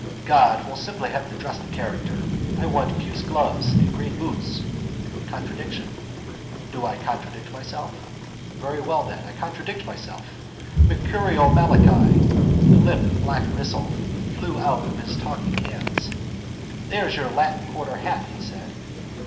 God, we'll simply have to dress the character. I want puce gloves and green boots. Contradiction. Do I contradict myself? Very well then, I contradict myself. Mercurial Malachi. A limp black missile flew out of his talking hands. —And there's your Latin quarter hat, he said.